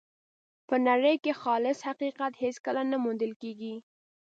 په نړۍ کې خالص حقیقت هېڅکله نه موندل کېږي.